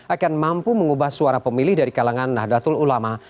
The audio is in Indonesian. akan mampu mengubah suara pemilih dari kalangan nahdlatul ulama